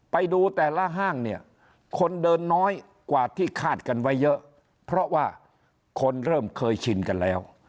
ไปดูแต่ละห้างเนี่ยคนเดินน้อยกว่าที่คาดกันไว้เยอะเพราะว่าคนเริ่มเคยชินกันแล้ว